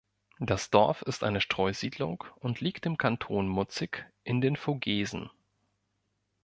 Das Dorf ist eine Streusiedlung und liegt im Kanton Mutzig in den Vogesen.